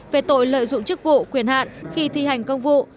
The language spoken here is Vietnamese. về tội lợi dụng chức vụ quyền hạn khi thi hành công vụ